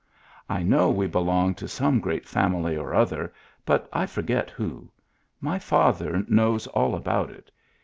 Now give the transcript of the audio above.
I know we belong to some great family or other, but I forget who. My father knows all about it.